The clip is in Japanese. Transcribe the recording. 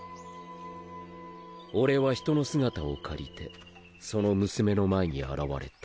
俺は人の姿を借りてその娘の前に現れた。